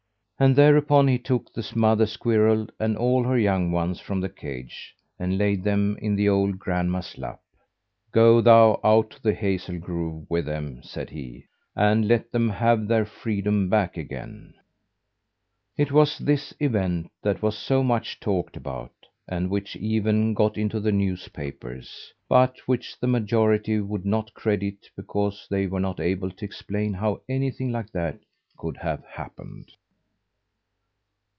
And, thereupon, he took the mother squirrel and all her young ones from the cage, and laid them in the old grandma's lap. "Go thou out to the hazel grove with them," said he, "and let them have their freedom back again!" It was this event that was so much talked about, and which even got into the newspapers, but which the majority would not credit because they were not able to explain how anything like that could have happened.